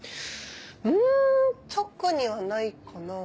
うん特にはないかなぁ。